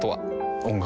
音楽